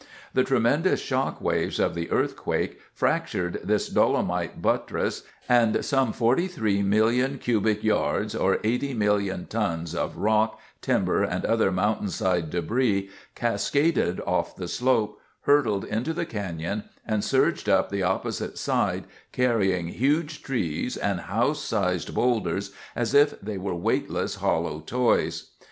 The tremendous shock waves of the earthquake fractured this dolomite buttress, and some 43 million cubic yards, or 80 million tons of rock, timber, and other mountainside debris cascaded off the slope, hurtled into the canyon, and surged up the opposite side, carrying huge trees and house sized boulders as if they were weightless, hollow toys.